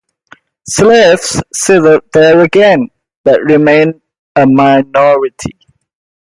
Slavs settled there again, but remained a minority.